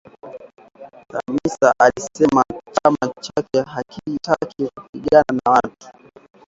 Chamisa alisema chama chake hakitaki kupigana na watu